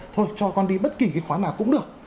thôi cho con đi bất kỳ cái khóa nào cũng được